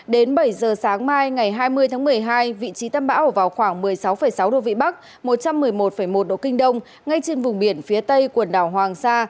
đến bảy giờ sáng mai ngày hai mươi tháng một mươi hai vị trí tâm bão ở vào khoảng một mươi sáu sáu độ vĩ bắc một trăm một mươi một một độ kinh đông ngay trên vùng biển phía tây quần đảo hoàng sa